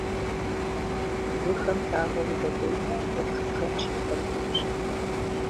Бгыхэм лъагэу удэкӀуеймэ, къурш бжэн щыбгъуэтынущ.